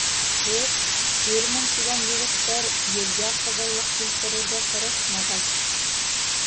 Һеҙ, ирмен тигән егеттәр, йөҙгә ҡыҙыллыҡ килтерергә тырышмағыҙ.